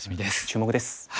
注目です！